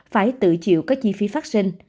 phải tự chịu các chi phí phát sinh